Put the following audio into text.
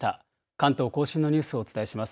関東甲信のニュースをお伝えします。